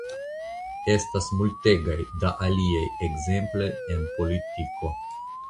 Estas multegaj da aliaj ekzemploj en politiko.